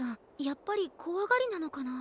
やっぱりこわがりなのかな。